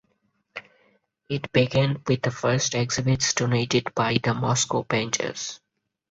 It began with the first exhibits donated by the Moscow painters.